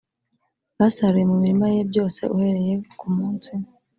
Basaruye mu mirima ye byose uhereye ku munsi